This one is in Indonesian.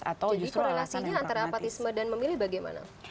jadi korelasinya antara apatisme dan memilih bagaimana